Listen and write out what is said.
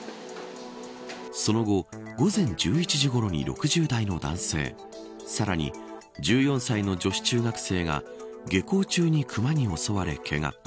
その後午前１１時ごろに６０代の男性さらに、１４歳の女子中学生が下校中にクマに襲われ、けが。